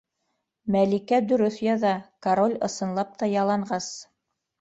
Мәликә дөрөҫ яҙа: король ысынлап та яланғас.